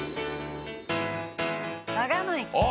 「長野駅。